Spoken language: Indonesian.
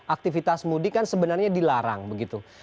aktivitas mudik kan sebenarnya dilarang begitu